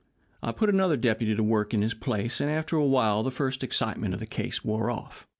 I put another deputy to work in his place, and after a while, the first excitement of the case wore off.